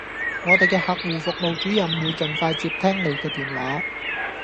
我地既客戶服務主任會盡快接聽你既電話